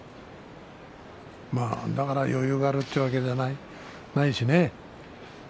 だから余裕があるというわけじゃないしね。